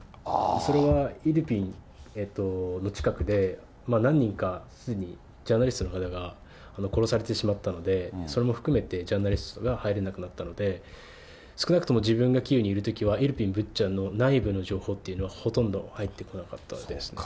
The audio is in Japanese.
それは、イルピンの近くで、何人かすでにジャーナリストの方が殺されてしまったので、それも含めてジャーナリストが入れなくなったので、少なくとも自分がキーウにいるときはイルピン、ブッチャの内部の情報というのはほとんど入ってこなかったですね。